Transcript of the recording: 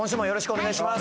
お願いします